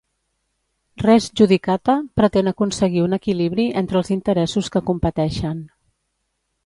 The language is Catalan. "Res judicata" pretén aconseguir un equilibri entre els interessos que competeixen.